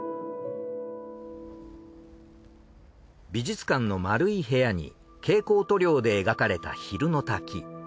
美術館の丸い部屋に蛍光塗料で描かれた昼の滝。